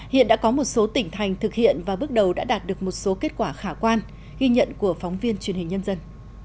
hiện đã có một số tỉnh thành thực hiện và bước đầu đã đạt được một số kết quả khả quan ghi nhận của phóng viên truyền hình nhân dân